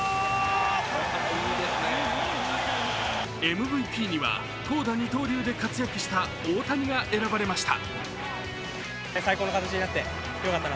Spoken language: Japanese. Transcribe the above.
ＭＶＰには投打二刀流で活躍した大谷が選ばれました。